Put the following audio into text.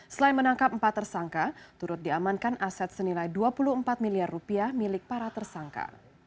selain menangkap empat tersangka turut diamankan aset senilai dua puluh empat miliar rupiah milik para tersangka